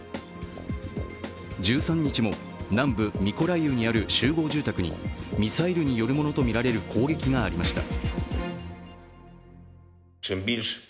１３日も南部ミコライウにある集合住宅にミサイルによるものとみられる攻撃がありました。